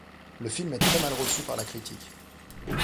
Le film est très mal reçu par la critique.